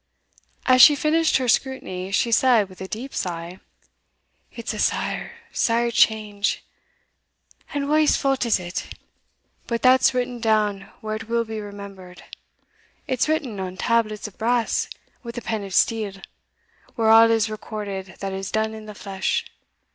As she finished her scrutiny, she said, with a deep sigh, "It's a sair sair change; and wha's fault is it? but that's written down where it will be remembered it's written on tablets of brass with a pen of steel, where all is recorded that is done in the flesh.